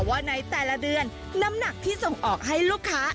ว่าในแต่ละเดือนน้ำหนักที่ส่งออกให้ลูกค้า